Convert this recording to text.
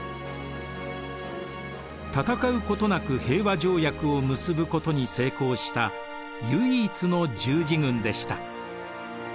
戦うことなく平和条約を結ぶことに成功した唯一の十字軍でした。